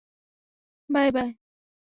বায়, বায়।